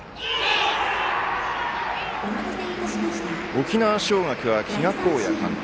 沖縄尚学は比嘉公也監督。